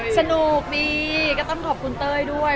สนุกดีก็ต้องขอบคุณเต้ยด้วย